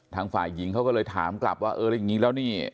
ทางฝ่ายหญิงเขาก็เลยถามกลับว่าเออแล้วอย่างนี้แล้วนี่